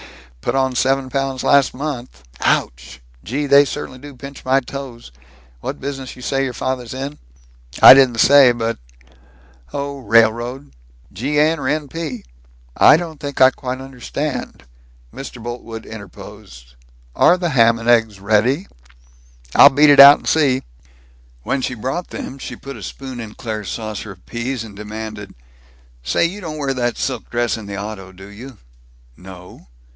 Put on seven pounds last month. Ouch! Gee, they certainly do pinch my toes. What business you say your father's in?" "I didn't say, but Oh, railroad." "G. N. or N. P.?" "I don't think I quite understand " Mr. Boltwood interposed, "Are the ham and eggs ready?" "I'll beat it out and see." When she brought them, she put a spoon in Claire's saucer of peas, and demanded, "Say, you don't wear that silk dress in the auto, do you?" "No."